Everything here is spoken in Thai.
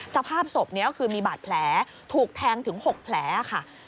สภาพศพนี้ก็คือมีบาดแผลถูกแทงถึง๖แผลค่ะ